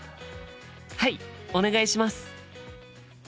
はいお願いします。